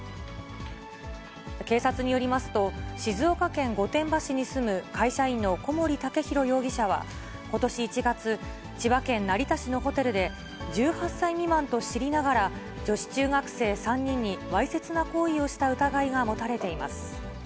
警察によりますと、静岡県御殿場市に住む会社員の小森健裕容疑者はことし１月、千葉県成田市のホテルで、１８歳未満と知りながら、女子中学生３人にわいせつな行為をした疑いが持たれています。